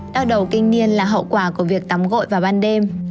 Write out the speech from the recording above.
đau đầu kinh niên là hậu quả của việc tắm gội vào ban đêm